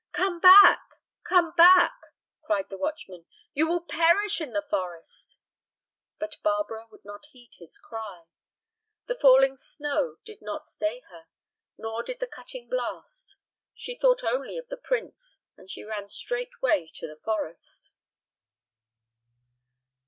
"Come back, come back!" cried the watchman; "you will perish in the forest!" But Barbara would not heed his cry. The falling snow did not stay her, nor did the cutting blast. She thought only of the prince, and she ran straightway to the forest.